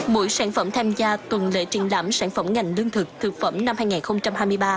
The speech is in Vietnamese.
mỗi sản phẩm tham gia tuần lễ triển lãm sản phẩm ngành lương thực thực phẩm năm hai nghìn hai mươi ba